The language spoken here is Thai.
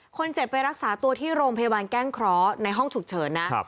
คนเจ็บไปรักษาตัวที่โรงพยาบาลแก้งเคราะห์ในห้องฉุกเฉินนะ